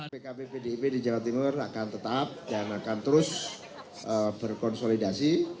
pkb pdip di jawa timur akan tetap dan akan terus berkonsolidasi